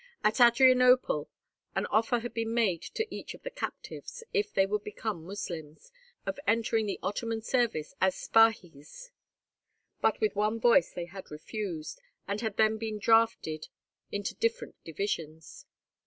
At Adrianople, an offer had been made to each of the captives, if they would become Moslems, of entering the Ottoman service as Spahis; but with one voice they had refused, and had then been draughted into different divisions.